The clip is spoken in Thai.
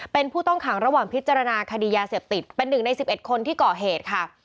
เป็นผู้ต้องขังระหว่างพิจารณาคดียาเสพติดเป็นหนึ่งใน๑๑คนที่ก่อเหตุค่ะ